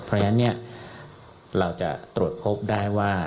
เพราะฉะนั้นเราจะตรวจพบได้ว่า